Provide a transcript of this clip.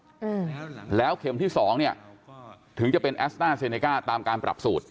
อืมแล้วเข็มที่สองเนี้ยถึงจะเป็นแอสต้าเซเนก้าตามการปรับสูตร